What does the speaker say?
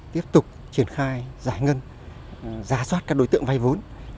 tiếp tục triển khai giải ngân giá soát các đối tượng vay vốn